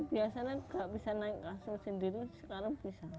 biasanya nggak bisa naik langsung sendiri sekarang bisa